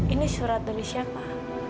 ini surat dari siapa